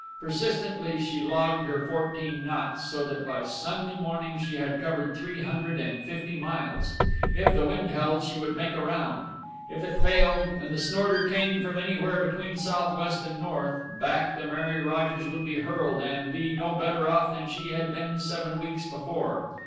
Persistently she logged her fourteen knots, so that by Sunday morning she had covered three hundred and fifty miles. If the wind held, she would make around. If it failed, and the snorter came from anywhere between southwest and north, back the Mary Rogers would be hurled and be no better off than she had been seven weeks before.